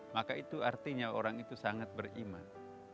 maka itu artinya orang itu sangat beriman